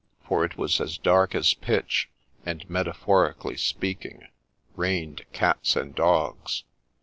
for it was as dark as pitch, and, metaphorically speaking, ' rained cats and dogs.'